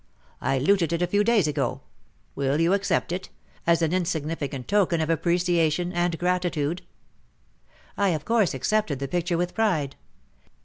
I looted it a few days ago. Will you accept it — as an insignificant token of ap preciation and gratitude ?" I of course accepted the picture with pride.